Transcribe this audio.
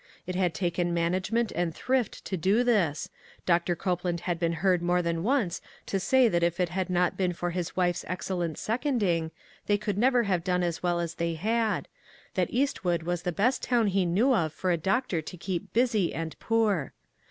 It had taken management and thrift to do this. Doctor Copeland had been heard more than once to say that if it had not been for his wife's excellent seconding, they could never have done as well as they had — that Eastwood was the best town he knew of for a doctor to keep busy and poor.